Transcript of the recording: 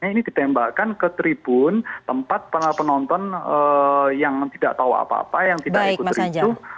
ini ditembakkan ke tribun tempat para penonton yang tidak tahu apa apa yang tidak ikut ricuh